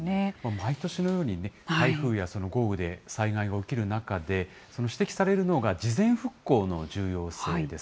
毎年のように台風や豪雨で災害が起きる中で、指摘されるのが、事前復興の重要性です。